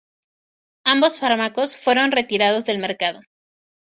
Ambos fármacos fueron retirados del mercado.